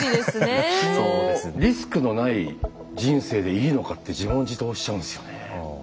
リスクのない人生でいいのかって自問自答しちゃうんですよね。